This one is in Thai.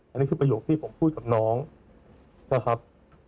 อันนี้คือประโยคที่ผมพูดกับน้องนะครับ